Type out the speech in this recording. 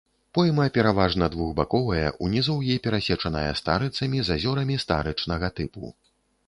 Пойма пераважна двухбаковая, у нізоўі перасечаная старыцамі з азёрамі старычнага тыпу.